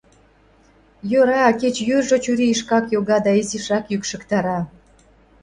Йӧра, кеч йӱржӧ чурийышкак йога да изишак йӱкшыктара.